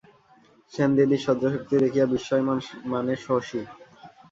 সেনদিনির সহ্যশক্তি দেখিয়া বিস্ময় মানে শশী।